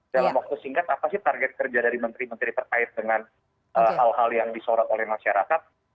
dalam waktu singkat apa sih target kerja dari menteri menteri terkait dengan hal hal yang disorot oleh masyarakat